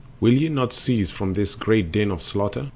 Will ye not cease from this great din of slaughter?